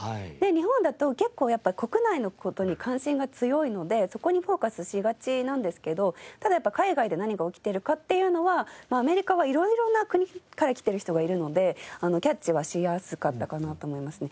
日本だと結構やっぱり国内の事に関心が強いのでそこにフォーカスしがちなんですけどただやっぱり海外で何が起きているかっていうのはアメリカは色々な国から来ている人がいるのでキャッチはしやすかったかなと思いますね。